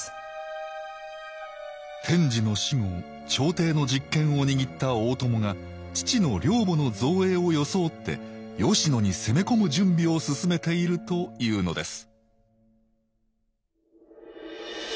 天智の死後朝廷の実権を握った大友が父の陵墓の造営を装って吉野に攻め込む準備を進めているというのです